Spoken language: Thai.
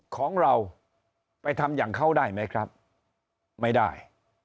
ของเราไปทำอย่างเขาได้ไหมครับไม่ได้